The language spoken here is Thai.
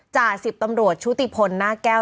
จ่าสิบตำรวจชุติพลหน้าแก้ว